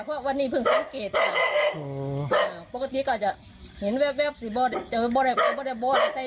เออว่ายังไงสุนัขว่ายังไง